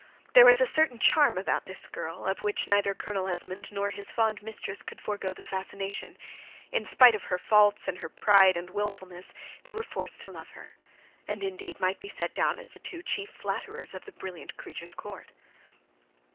There was a certain charm about this girl of which neither Colonel Esmond nor his fond mistress could forego the fascination; in spite of her faults and her pride and wilfulness, they were forced to love her; and, indeed, might be set down as the two chief flatterers of the brilliant creature's court.